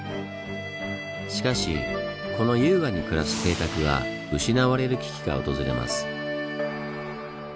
しかしこの優雅に暮らす邸宅が失われる危機が訪れます。